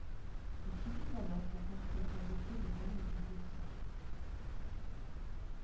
Il suffit alors, pour conclure, d'invoquer le lemme de Goursat.